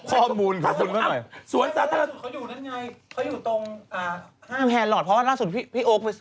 จากธนาคารกรุงเทพฯ